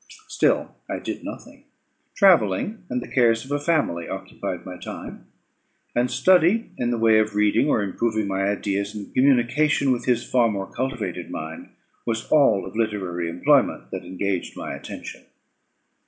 Still I did nothing. Travelling, and the cares of a family, occupied my time; and study, in the way of reading, or improving my ideas in communication with his far more cultivated mind, was all of literary employment that engaged my attention.